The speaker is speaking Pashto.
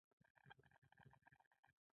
ایا زه باید بایلونکی شم؟